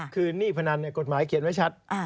คือหนี้พนันกฎหมายเขียนไว้ชัด